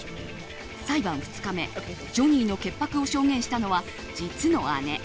裁判２日目ジョニーの潔白を証言したのは実の姉。